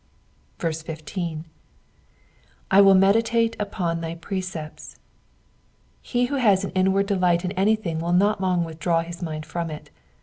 15. '*/ will vieditate in thy precepts,^ ^ He who has an inward delight in anything will not long withdraw his mind from it.